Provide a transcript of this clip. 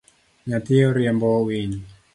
Nyathi oriembo winy